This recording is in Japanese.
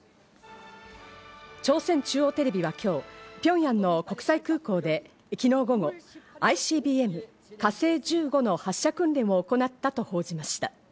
朝鮮中央テレビは今日、ピョンヤンの国際空港で昨日午後、ＩＣＢＭ「火星１５」の発射訓練を行ったと報じました。